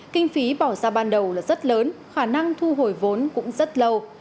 kinh phí bỏ ra ban đầu là rất lớn khả năng thu hồi vốn cũng rất lâu